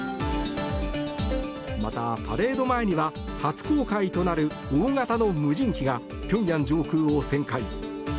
また、パレード前には初公開となる大型の無人機が平壌上空を旋回。